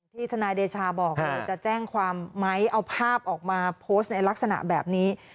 ทนายเดชาบอกจะแจ้งความไหมเอาภาพออกมาโพสต์ในลักษณะแบบนี้